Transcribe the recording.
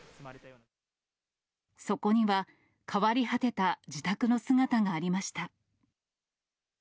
そこには、変わり果てた自宅の姿がありました。